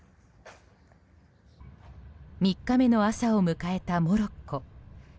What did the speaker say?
３日目の朝を迎えたモロッコ。